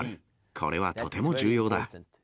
これはとても重要だ。